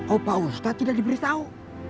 opa ustad tidak diberitahu